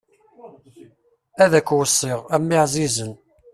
Ad k-weṣṣiɣ, a mmi ɛzizen!